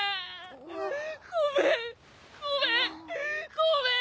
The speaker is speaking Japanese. ごめん！